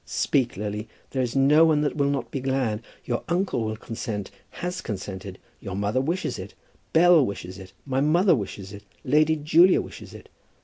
Speak, Lily. There is no one that will not be glad. Your uncle will consent, has consented. Your mother wishes it. Bell wishes it. My mother wishes it. Lady Julia wishes it.